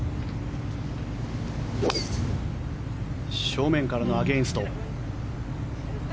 正面からのアゲンスト。